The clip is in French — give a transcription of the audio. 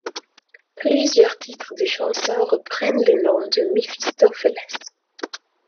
Plusieurs titres de chansons reprennent le nom de Mephistopheles.